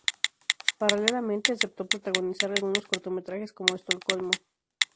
Paralelamente aceptó protagonizar algunos cortometrajes como "Estocolmo".